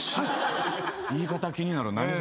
言い方気になる。